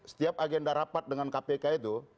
setiap agenda rapat dengan kpk itu